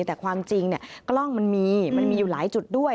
แต่ความจริงกล้องมันมีมันมีอยู่หลายจุดด้วย